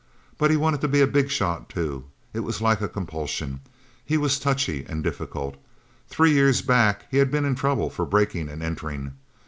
But he wanted to be a big shot, too. It was like a compulsion. He was touchy and difficult. Three years back, he had been in trouble for breaking and entering.